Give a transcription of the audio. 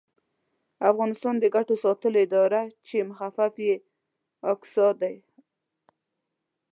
افغانستان د ګټو ساتلو اداره چې مخفف یې اګسا دی